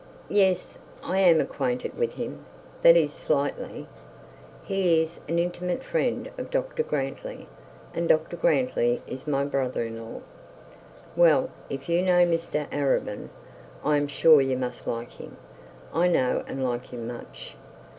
'Yes I am acquainted with him. That is, slightly. He is an intimate friend of Dr Grantly, and Dr Grantly is my brother in law.' 'Well; if you know Mr Arabin, I am sure you must like him. I know and like him much.